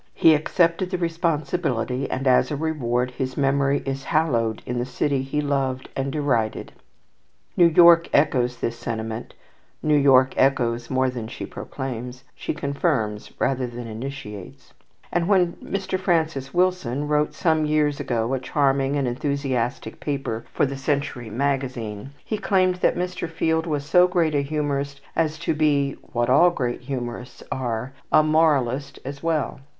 He accepted the responsibility, and, as a reward, his memory is hallowed in the city he loved and derided. New York echoes this sentiment (New York echoes more than she proclaims; she confirms rather than initiates); and when Mr. Francis Wilson wrote some years ago a charming and enthusiastic paper for the "Century Magazine," he claimed that Mr. Field was so great a humourist as to be what all great humourists are, a moralist as well.